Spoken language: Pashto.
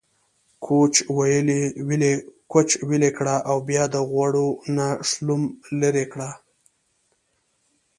کوچ ويلي کړه او بيا د غوړو نه شلوم ليرې کړه۔